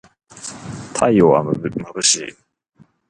太陽はまぶしい